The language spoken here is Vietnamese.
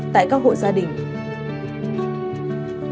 tại các hộ gia đình